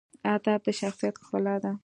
ادب د شخصیت ښکلا ده.